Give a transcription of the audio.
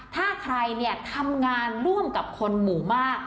ถ้าใครเนี่ยทำงานร่วมกับคนหมู่มาก